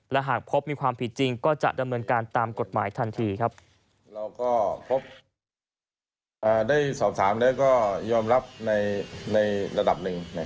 และหากพบมีความผิดจริงก็จะดำเนินการตามกฎหมายทันทีครับ